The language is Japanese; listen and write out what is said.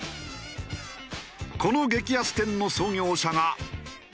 この激安店の創業者がこの方。